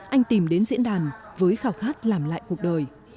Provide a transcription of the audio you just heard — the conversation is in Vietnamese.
anh tìm đến diễn đàn với khảo khát làm lại cuộc đời